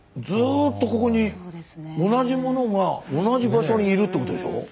ずっとここに同じものが同じ場所にいるってことでしょ。